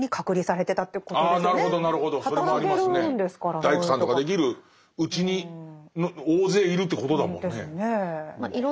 大工さんとかできるうちに大勢いるということだもんね。ですねえ。